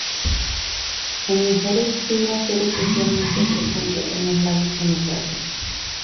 En mujeres tiende a ser especialmente frecuente en los labios genitales.